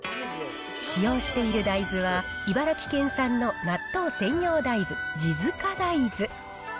使用している大豆は、茨城県産の納豆専用大豆、地塚大豆。